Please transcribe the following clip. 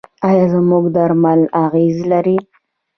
آیا زموږ درمل اغیز لري؟